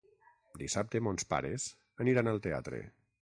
Dissabte mons pares aniran al teatre.